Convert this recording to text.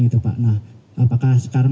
itu pak nah apakah sekarang